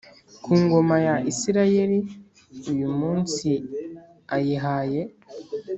ku ngoma ya Isirayeli uyu munsi ayihaye